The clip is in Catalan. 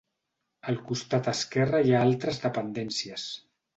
Al costat esquerre hi ha altres dependències.